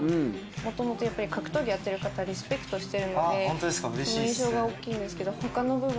元々やっぱり格闘技やってる方リスペクトしてるのでその印象が大きいんですけど他の部分も知りたいです。